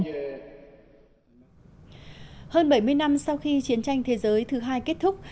hơn bảy mươi năm sau khi chiến tranh thế giới ii kết thúc